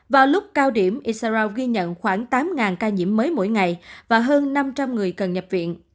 vào lúc cao điểm israel ghi nhận khoảng tám ca nhiễm mới mỗi ngày và hơn năm trăm linh người cần nhập viện